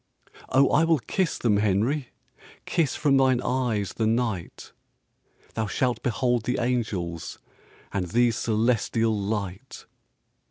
"Oh, I will kiss them, Henry, Kiss from thine eyes the night. Thou shalt behold the angels And the celestial light."